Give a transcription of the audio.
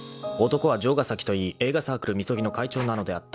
［男は城ヶ崎といい映画サークル「ＭＩＳＯＧＩ」の会長なのであった］